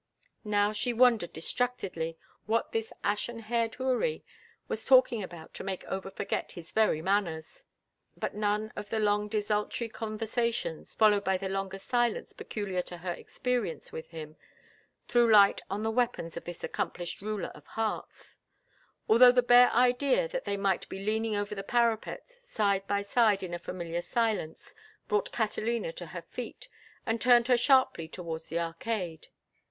Now she wondered distractedly what this ashen haired houri was talking about to make Over forget his very manners; but none of the long, desultory conversations, followed by the longer silences peculiar to her experience with him, threw light on the weapons of this accomplished ruler of hearts; although the bare idea that they might be leaning over the parapet side by side in a familiar silence brought Catalina to her feet and turned her sharply towards the arcade.